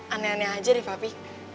aneh aneh aja deh papi